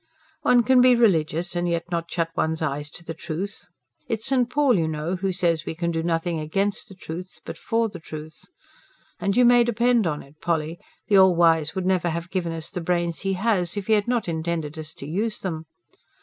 "One can be religious and yet not shut one's eyes to the truth. It's Saint Paul, you know, who says: we can do nothing against the Truth but for the Truth. And you may depend on it, Polly, the All Wise would never have given us the brains He has, if He had not intended us to use them.